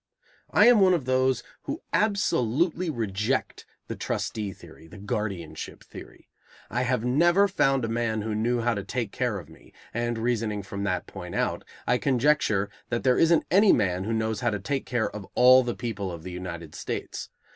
I am one of those who absolutely reject the trustee theory, the guardianship theory. I have never found a man who knew how to take care of me, and, reasoning from that point out, I conjecture that there isn't any man who knows how to take care of all the people of the United States.